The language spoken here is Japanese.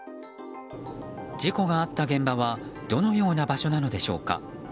事故があった現場はどのような場所なのでしょうか。